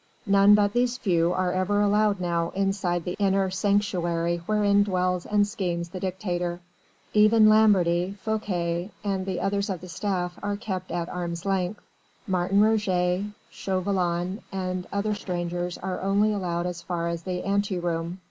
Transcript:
None but these few are ever allowed now inside the inner sanctuary wherein dwells and schemes the dictator. Even Lamberty, Fouquet and the others of the staff are kept at arm's length. Martin Roget, Chauvelin and other strangers are only allowed as far as the ante room.